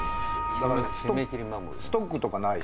だからストックとかないし。